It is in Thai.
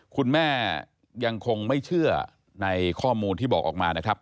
คุณแม่ยังคงไม่เชื่อในข้อมูลที่บอกออกมานะครับ